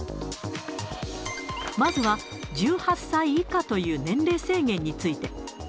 まずは１８歳以下という年齢制限について。